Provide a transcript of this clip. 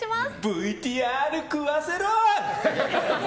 ＶＴＲ食わせろ！